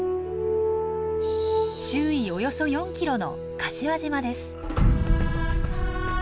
周囲およそ４キロの柏島です。